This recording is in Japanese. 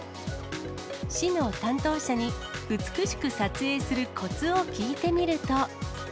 市の担当者に、美しく撮影するこつを聞いてみると。